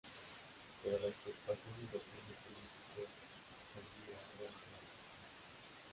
Pero las preocupaciones del Jefe Político Echeandía eran reales.